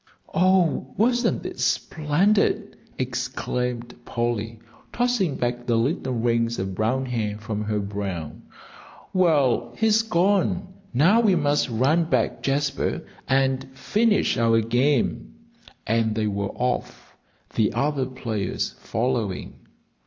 "Oh, wasn't it splendid!" exclaimed Polly, tossing back the little rings of brown hair from her brow. "Well, he's gone; now we must run back, Jasper, and finish our game." And they were off, the other players following.